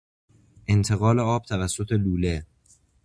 انتقال آب توسط لوله